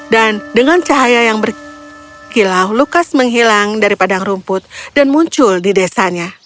dan dengan cahaya yang berkilau lukas menghilang dari padang rumput dan muncul di desanya